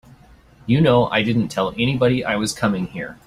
You know I didn't tell anybody I was coming here.